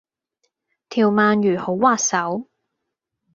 條鰻魚好滑手